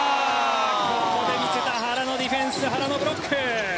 ここで見せた原のディフェンス原のブロック！